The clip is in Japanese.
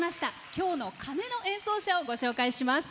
今日の鐘の演奏者をご紹介します。